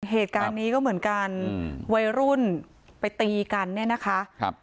เหตุการณ์นี้ก็เหมือนกันวัยรุ่นไปตีกันเนี่ยนะคะครับ